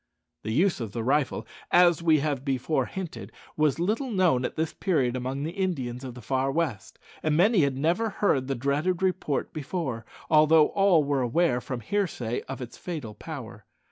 The use of the rifle, as we have before hinted, was little known at this period among the Indians of the far west, and many had never heard the dreaded report before, although all were aware, from hearsay, of its fatal power.